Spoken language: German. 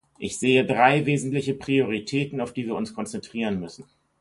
Ich sehe drei wesentliche Prioritäten, auf die wir uns konzentrieren müssen.